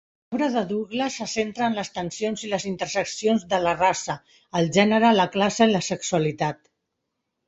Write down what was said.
L'obra de Douglas se centra en les tensions i les interseccions de la raça, el gènere, la classe i la sexualitat.